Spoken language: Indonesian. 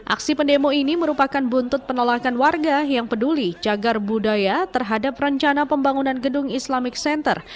aksi pendemo ini merupakan buntut penolakan warga yang peduli jagar budaya terhadap rencana pembangunan gedung islamic center